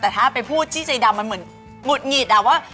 แต่ถ้าไปพูดที่ใจดำมันเหมือนหงุดหงิดอะว่า